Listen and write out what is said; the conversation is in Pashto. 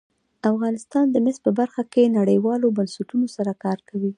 افغانستان د مس په برخه کې نړیوالو بنسټونو سره کار کوي.